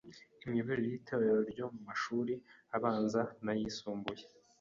Imiyoborere y’Itorero ryo mu mashuri abanza n’ayisumbuye